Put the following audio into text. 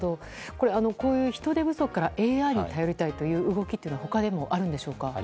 こういう人手不足からＡＩに頼りたいという動きは他でもあるんでしょうか。